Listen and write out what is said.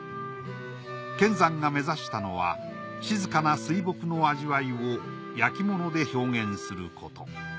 乾山が目指したのは静かな水墨の味わいを焼物で表現すること。